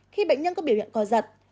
khi bệnh nhân có biểu hiện có giật